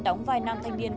mù mà nếm tiền